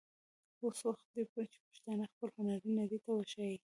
اوس وخت دی چې پښتانه خپل هنر نړۍ ته وښايي.